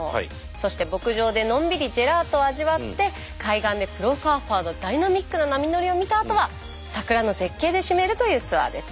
そして牧場でのんびりジェラートを味わって海岸でプロサーファーのダイナミックな波乗りを見たあとは桜の絶景で締めるというツアーです。